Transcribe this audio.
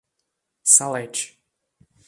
Salete